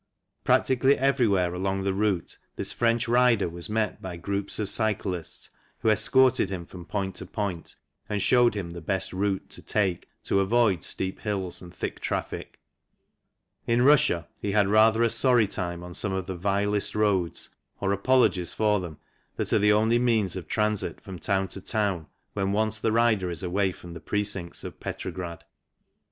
Prac tically everywhere along the route this French rider was met by groups of cyclists who escorted him from point to point and showed him the best route to take FIG. 25 A MODERN LADIES' DROPPED FRAME SAFETY BICYCLE, BUILT. BY RUDGE WHITWORTH, LTD. to avoid steep hills and thick traffic. In Russia he had rather a sorry time on some of the vilest roads, or apologies for them, that are the only means of transit from town to town when once the rider is away from the precincts of Petrograd.